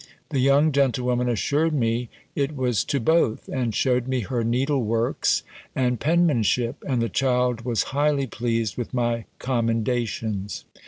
The young gentlewoman assured me it was to both, and shewed me her needleworks, and penmanship; and the child was highly pleased with my commendations.